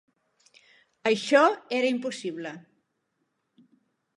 Això era impossible.